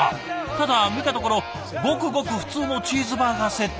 ただ見たところごくごく普通のチーズバーガーセット。